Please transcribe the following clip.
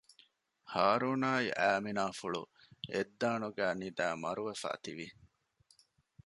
ހާރޫނާއި އައިމިނާފުޅު އެއް ދާނުގައި ނިދައި މަރުވެފައި ތިވި